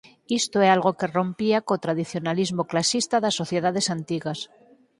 Isto é algo que rompía co tradicionalismo clasista das sociedades antigas.